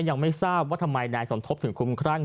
ยังไม่ทราบว่าทำไมนายสมทบถึงคุ้มครั่ง